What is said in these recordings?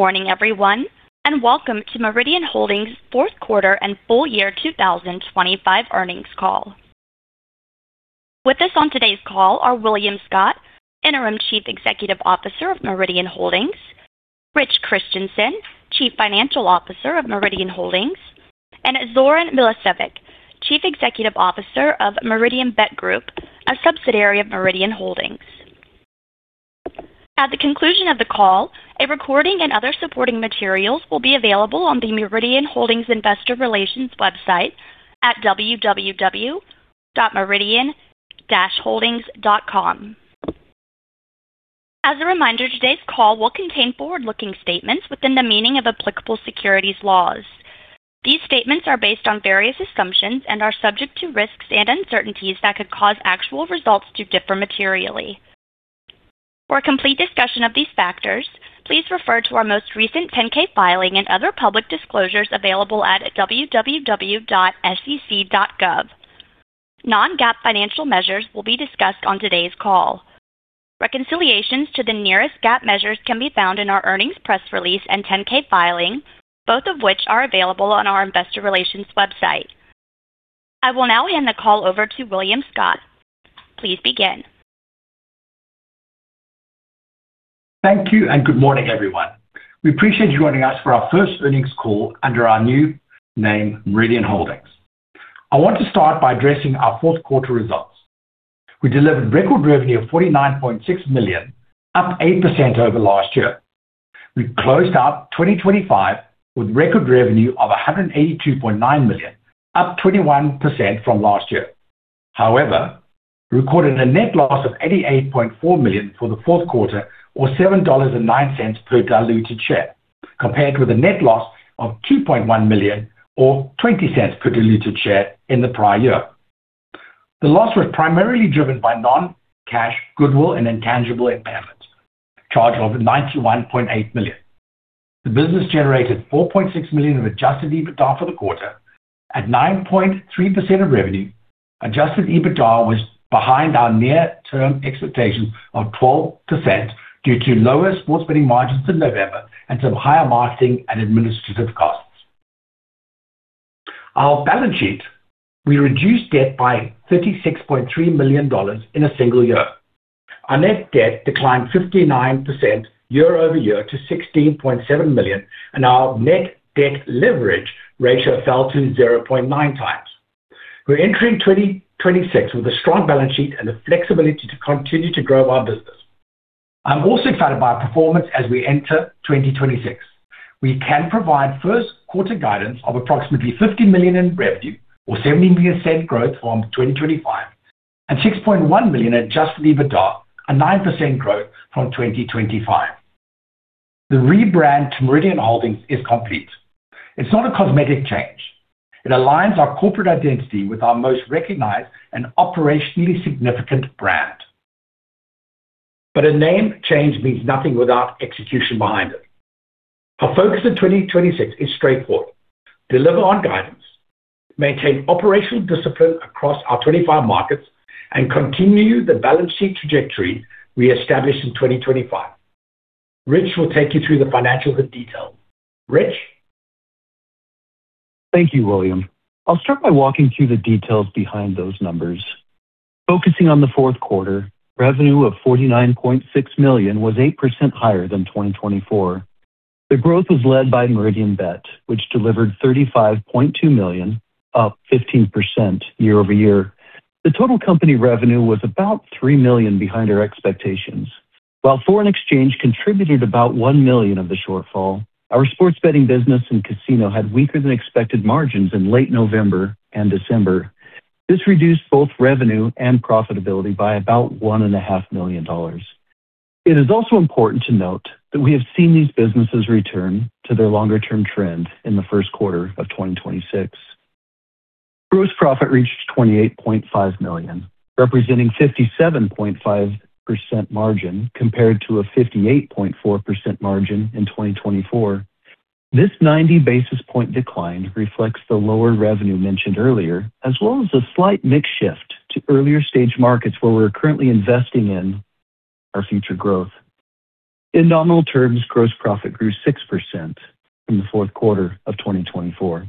Good morning, everyone, and welcome to Meridian Holdings fourth quarter and full-year 2025 earnings call. With us on today's call are William Scott, Interim Chief Executive Officer of Meridian Holdings, Rich Christensen, Chief Financial Officer of Meridian Holdings, and Zoran Milosevic, Chief Executive Officer of Meridianbet Group, a subsidiary of Meridian Holdings. At the conclusion of the call, a recording and other supporting materials will be available on the Meridian Holdings investor relations website at www.meridian-holdings.com. As a reminder, today's call will contain forward-looking statements within the meaning of applicable securities laws. These statements are based on various assumptions and are subject to risks and uncertainties that could cause actual results to differ materially. For a complete discussion of these factors, please refer to our most recent 10-K filing and other public disclosures available at www.sec.gov. Non-GAAP financial measures will be discussed on today's call. Reconciliations to non-GAAP measures can be found in our earnings press release and 10-K filing, both of which are available on our investor relations website. I will now hand the call over to William Scott. Please begin. Thank you and good morning, everyone. We appreciate you joining us for our first earnings call under our new name, Meridian Holdings. I want to start by addressing our fourth quarter results. We delivered record revenue of $49.6 million, up 8% over last year. We closed out 2025 with record revenue of $182.9 million, up 21% from last year. However, we recorded a net loss of $88.4 million for the fourth quarter or $7.09 per diluted share, compared with a net loss of $2.1 million or $0.20 per diluted share in the prior year. The loss was primarily driven by non-cash goodwill and intangible impairments charge of $91.8 million. The business generated $4.6 million of adjusted EBITDA for the quarter at 9.3% of revenue. Adjusted EBITDA was behind our near-term expectation of 12% due to lower sports betting margins in November and some higher marketing and administrative costs. Our balance sheet, we reduced debt by $36.3 million in a single year. Our net debt declined 59% year-over-year to $16.7 million, and our net debt leverage ratio fell to 0.9x. We're entering 2026 with a strong balance sheet and the flexibility to continue to grow our business. I'm also excited by our performance as we enter 2026. We can provide first quarter guidance of approximately $50 million in revenue or 17% growth from 2025 and $6.1 million adjusted EBITDA, a 9% growth from 2025. The rebrand to Meridian Holdings is complete. It's not a cosmetic change. It aligns our corporate identity with our most recognized and operationally significant brand. A name change means nothing without execution behind it. Our focus in 2026 is straightforward, deliver on guidance, maintain operational discipline across our 25 markets, and continue the balance sheet trajectory we established in 2025. Rich will take you through the financials in detail. Rich. Thank you, William. I'll start by walking through the details behind those numbers. Focusing on the fourth quarter, revenue of $49.6 million was 8% higher than 2024. The growth was led by Meridianbet, which delivered $35.2 million, up 15% year-over-year. The total company revenue was about $3 million behind our expectations. While foreign exchange contributed about $1 million of the shortfall, our sports betting business and casino had weaker than expected margins in late November and December. This reduced both revenue and profitability by about $1.5 million. It is also important to note that we have seen these businesses return to their longer-term trends in the first quarter of 2026. Gross profit reached $28.5 million, representing 57.5% margin compared to a 58.4% margin in 2024. This 90 basis point decline reflects the lower revenue mentioned earlier, as well as a slight mix shift to earlier-stage markets where we're currently investing in our future growth. In nominal terms, gross profit grew 6% from the fourth quarter of 2024.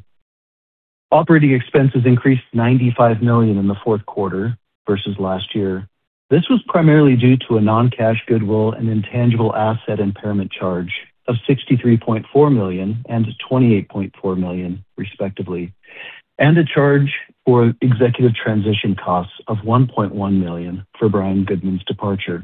Operating expenses increased $95 million in the fourth quarter versus last year. This was primarily due to a non-cash goodwill and intangible asset impairment charge of $63.4 million and $28.4 million, respectively, and a charge for executive transition costs of $1.1 million for Brian Goodman's departure.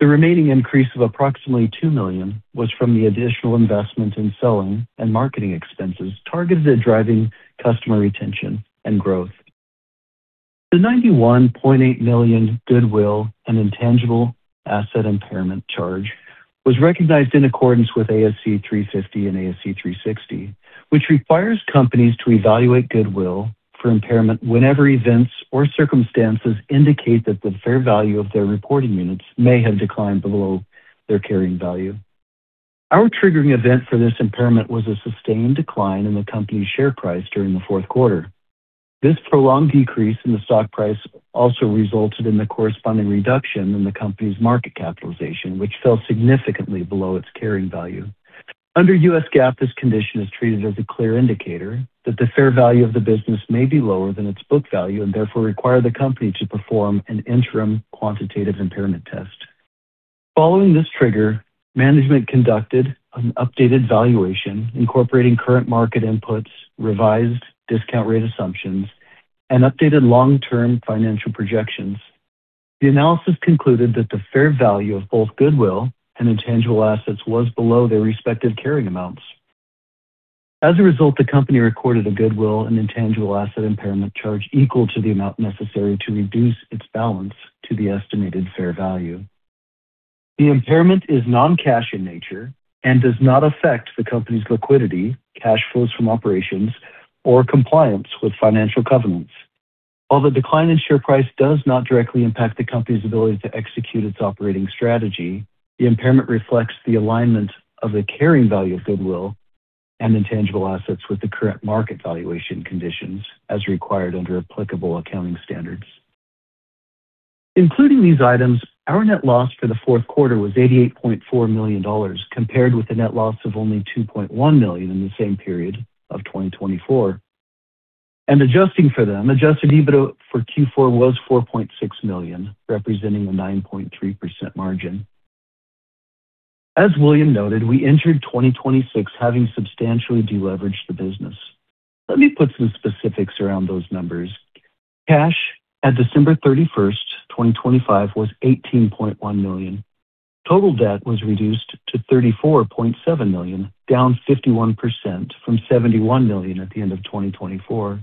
The remaining increase of approximately $2 million was from the additional investment in selling and marketing expenses targeted at driving customer retention and growth. The $91.8 million goodwill and intangible asset impairment charge was recognized in accordance with ASC 350 and ASC 360, which requires companies to evaluate goodwill for impairment whenever events or circumstances indicate that the fair value of their reporting units may have declined below their carrying value. Our triggering event for this impairment was a sustained decline in the company's share price during the fourth quarter. This prolonged decrease in the stock price also resulted in the corresponding reduction in the company's market capitalization, which fell significantly below its carrying value. Under US GAAP, this condition is treated as a clear indicator that the fair value of the business may be lower than its book value and therefore require the company to perform an interim quantitative impairment test. Following this trigger, management conducted an updated valuation incorporating current market inputs, revised discount rate assumptions, and updated long-term financial projections. The analysis concluded that the fair value of both goodwill and intangible assets was below their respective carrying amounts. As a result, the company recorded a goodwill and intangible asset impairment charge equal to the amount necessary to reduce its balance to the estimated fair value. The impairment is non-cash in nature and does not affect the company's liquidity, cash flows from operations, or compliance with financial covenants. While the decline in share price does not directly impact the company's ability to execute its operating strategy, the impairment reflects the alignment of the carrying value of goodwill and intangible assets with the current market valuation conditions as required under applicable accounting standards. Including these items, our net loss for the fourth quarter was $88.4 million, compared with a net loss of only $2.1 million in the same period of 2024. Adjusting for them, adjusted EBITDA for Q4 was $4.6 million, representing a 9.3% margin. As William noted, we entered 2026 having substantially de-leveraged the business. Let me put some specifics around those numbers. Cash at December 31st, 2025 was $18.1 million. Total debt was reduced to $34.7 million, down 51% from $71 million at the end of 2024.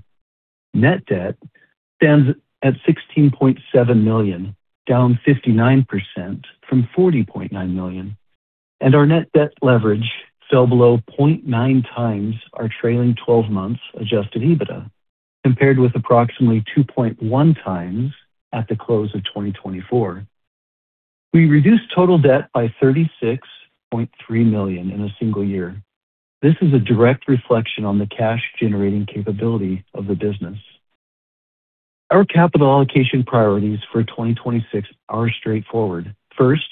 Net debt stands at $16.7 million, down 59% from $40.9 million, and our net debt leverage fell below 0.9x our trailing twelve months adjusted EBITDA, compared with approximately 2.1x at the close of 2024. We reduced total debt by $36.3 million in a single year. This is a direct reflection on the cash-generating capability of the business. Our capital allocation priorities for 2026 are straightforward. First,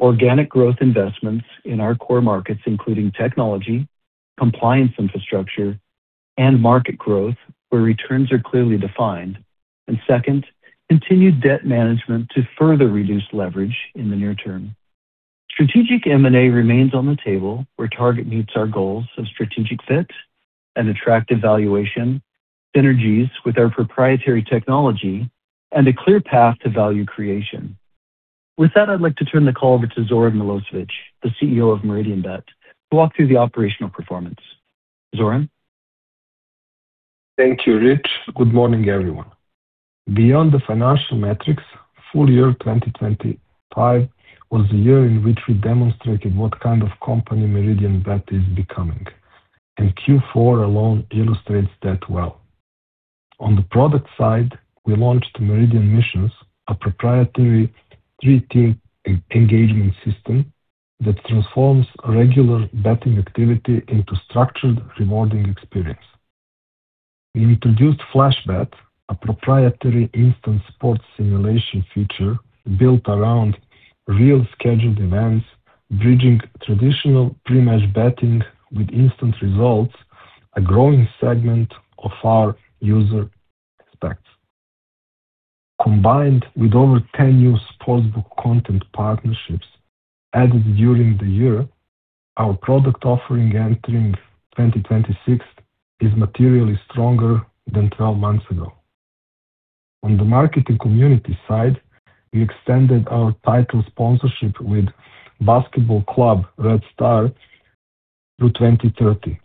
organic growth investments in our core markets, including technology, compliance infrastructure, and market growth, where returns are clearly defined. Second, continued debt management to further reduce leverage in the near term. Strategic M&A remains on the table where target meets our goals of strategic fit and attractive valuation, synergies with our proprietary technology, and a clear path to value creation. With that, I'd like to turn the call over to Zoran Milosevic, the CEO of Meridianbet, to walk through the operational performance. Zoran? Thank you, Rich. Good morning, everyone. Beyond the financial metrics, full-year 2025 was the year in which we demonstrated what kind of company Meridianbet is becoming, and Q4 alone illustrates that well. On the product side, we launched Meridian Missions, a proprietary three-tier engagement system that transforms regular betting activity into structured, rewarding experience. We introduced Flash Bet, a proprietary instant sports simulation feature built around real scheduled events, bridging traditional pre-match betting with instant results, a growing segment of our user base. Combined with over 10 new sportsbook content partnerships added during the year, our product offering entering 2026 is materially stronger than 12 months ago. On the marketing community side, we extended our title sponsorship with Crvena zvezda through 2030.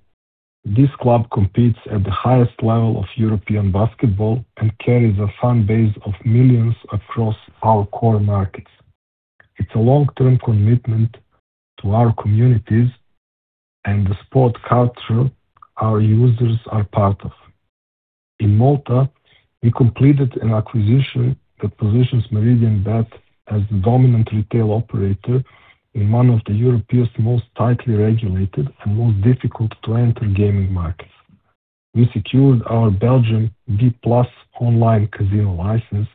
This club competes at the highest level of European basketball and carries a fan base of millions across our core markets. It's a long-term commitment to our communities and the sport culture our users are part of. In Malta, we completed an acquisition that positions Meridianbet as the dominant retail operator in one of Europe's most tightly regulated and most difficult to enter gaming markets. We secured our Belgian B+ online casino license,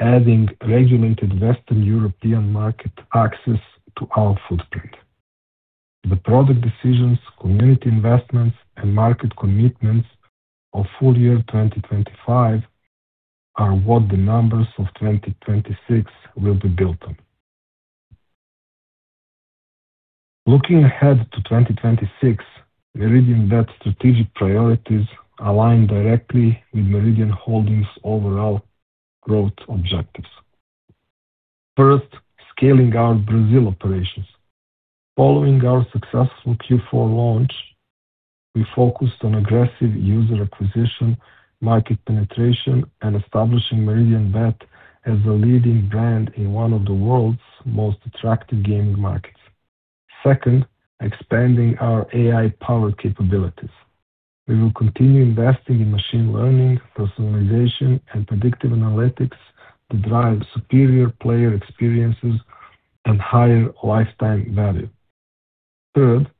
adding regulated Western European market access to our footprint. The product decisions, community investments, and market commitments of full-year 2025 are what the numbers of 2026 will be built on. Looking ahead to 2026, Meridianbet strategic priorities align directly with Meridian Holdings' overall growth objectives. First, scaling our Brazil operations. Following our successful Q4 launch, we focused on aggressive user acquisition, market penetration, and establishing Meridianbet as the leading brand in one of the world's most attractive gaming markets. Second, expanding our AI-powered capabilities. We will continue investing in machine learning, personalization, and predictive analytics to drive superior player experiences and higher lifetime value. Third,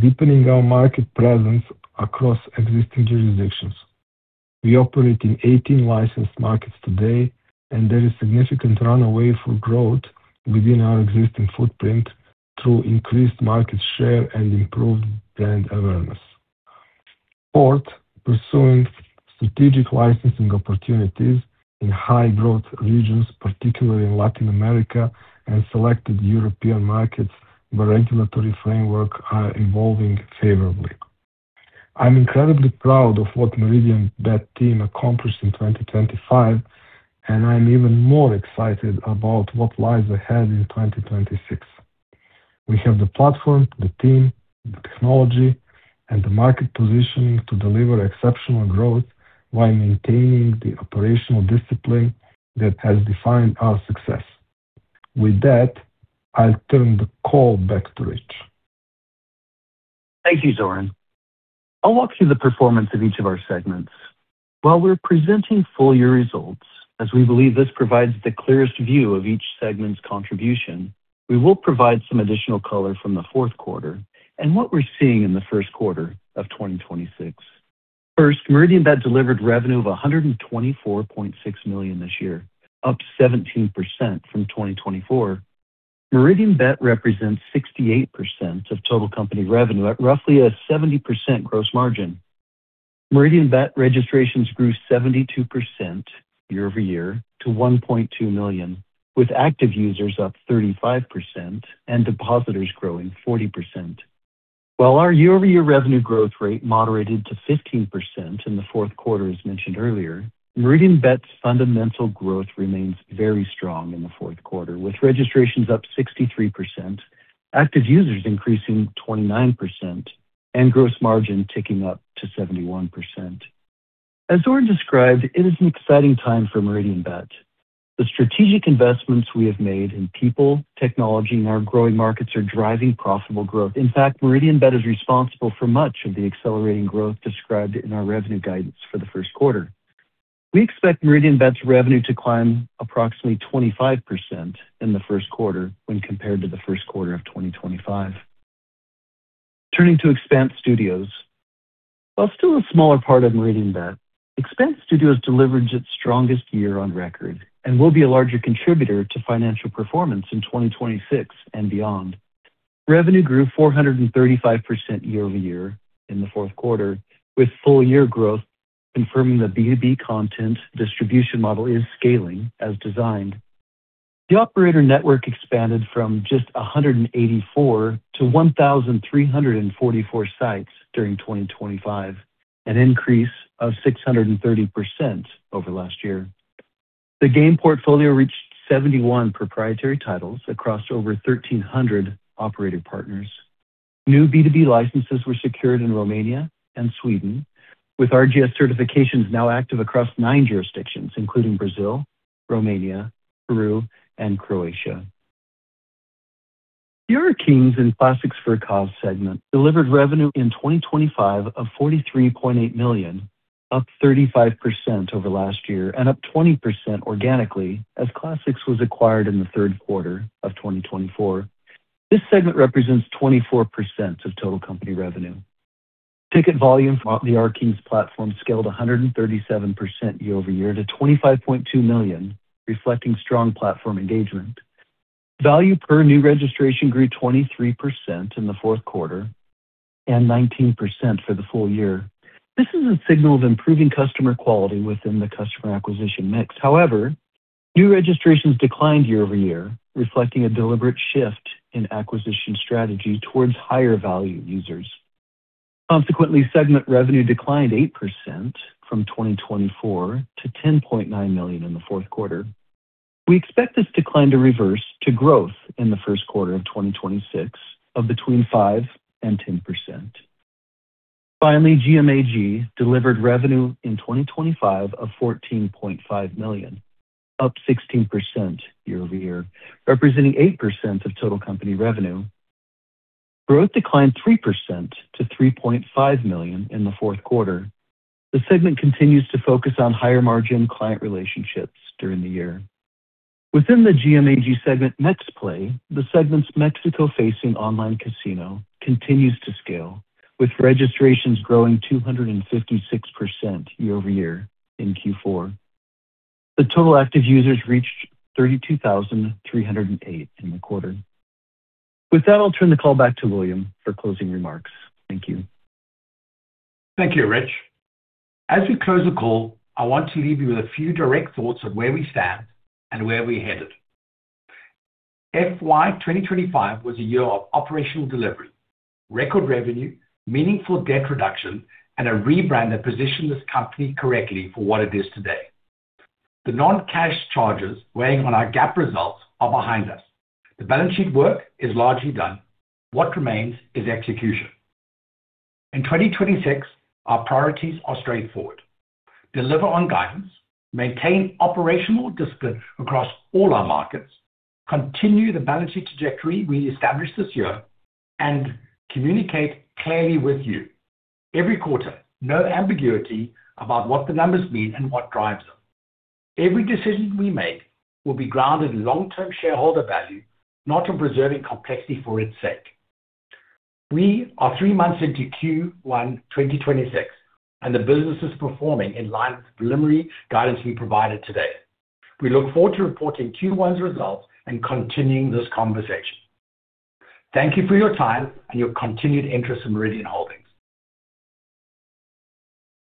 deepening our market presence across existing jurisdictions. We operate in 18 licensed markets today, and there is significant runway for growth within our existing footprint through increased market share and improved brand awareness. Fourth, pursuing strategic licensing opportunities in high growth regions, particularly in Latin America and selected European markets where regulatory framework are evolving favorably. I'm incredibly proud of what Meridianbet team accomplished in 2025, and I'm even more excited about what lies ahead in 2026. We have the platform, the team, the technology, and the market positioning to deliver exceptional growth while maintaining the operational discipline that has defined our success. With that, I'll turn the call back to Rich. Thank you, Zoran. I'll walk through the performance of each of our segments. While we're presenting full-year results, as we believe this provides the clearest view of each segment's contribution, we will provide some additional color from the fourth quarter and what we're seeing in the first quarter of 2026. First, Meridianbet delivered revenue of $124.6 million this year, up 17% from 2024. Meridianbet represents 68% of total company revenue at roughly a 70% gross margin. Meridianbet registrations grew 72% year-over-year to 1.2 million, with active users up 35% and depositors growing 40%. While our year-over-year revenue growth rate moderated to 15% in the fourth quarter, as mentioned earlier, Meridianbet's fundamental growth remains very strong in the fourth quarter, with registrations up 63%, active users increasing 29%, and gross margin ticking up to 71%. As Zoran described, it is an exciting time for Meridianbet. The strategic investments we have made in people, technology, and our growing markets are driving profitable growth. In fact, Meridianbet is responsible for much of the accelerating growth described in our revenue guidance for the first quarter. We expect Meridianbet's revenue to climb approximately 25% in the first quarter when compared to the first quarter of 2025. Turning to Expanse Studios. While still a smaller part of Meridianbet, Expanse Studios delivered its strongest year on record and will be a larger contributor to financial performance in 2026 and beyond. Revenue grew 435% year-over-year in the fourth quarter, with full-year growth confirming the B2B content distribution model is scaling as designed. The operator network expanded from just 184-1,344 sites during 2025, an increase of 630% over last year. The game portfolio reached 71 proprietary titles across over 1,300 operator partners. New B2B licenses were secured in Romania and Sweden, with RGS certifications now active across nine jurisdictions, including Brazil, Romania, Peru, and Croatia. The RKings and Classics for a Cause segment delivered revenue in 2025 of $43.8 million, up 35% over last year and up 20% organically as Classics was acquired in the third quarter of 2024. This segment represents 24% of total company revenue. Ticket volume from the RKings platform scaled 137% year-over-year to 25.2 million, reflecting strong platform engagement. Value per new registration grew 23% in the fourth quarter and 19% for the full-year. This is a signal of improving customer quality within the customer acquisition mix. However, new registrations declined year-over-year, reflecting a deliberate shift in acquisition strategy towards higher value users. Consequently, segment revenue declined 8% from 2024 to $10.9 million in the fourth quarter. We expect this decline to reverse to growth in the first quarter of 2026 of between 5%-10%. Finally, GMAG delivered revenue in 2025 of $14.5 million, up 16% year-over-year, representing 8% of total company revenue. Growth declined 3% to $3.5 million in the fourth quarter. The segment continues to focus on higher margin client relationships during the year. Within the GMAG segment, MexPlay, the segment's Mexico-facing online casino, continues to scale, with registrations growing 256% year-over-year in Q4. The total active users reached 32,308 in the quarter. With that, I'll turn the call back to William for closing remarks. Thank you. Thank you, Rich. As we close the call, I want to leave you with a few direct thoughts on where we stand and where we're headed. FY 2025 was a year of operational delivery, record revenue, meaningful debt reduction, and a rebrand that positioned this company correctly for what it is today. The non-cash charges weighing on our GAAP results are behind us. The balance sheet work is largely done. What remains is execution. In 2026, our priorities are straightforward. Deliver on guidance, maintain operational discipline across all our markets, continue the balance sheet trajectory we established this year, and communicate clearly with you every quarter. No ambiguity about what the numbers mean and what drives them. Every decision we make will be grounded in long-term shareholder value, not on preserving complexity for its sake. We are three months into Q1 2026, and the business is performing in line with the preliminary guidance we provided today. We look forward to reporting Q1's results and continuing this conversation. Thank you for your time and your continued interest in Meridian Holdings.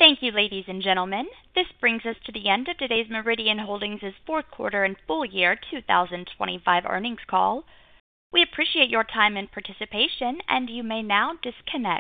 Thank you, ladies and gentlemen. This brings us to the end of today's Meridian Holdings's fourth quarter and full-year 2025 earnings call. We appreciate your time and participation, and you may now disconnect.